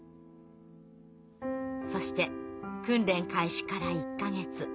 そして訓練開始から１か月。